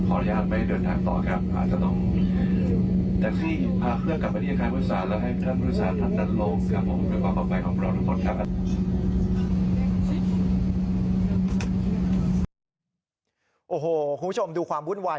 โอ้โหคุณผู้ชมดูความวุ่นวาย